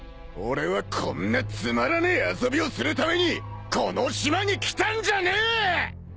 俺はこんなつまらねえ遊びをするためにこの島に来たんじゃねえ！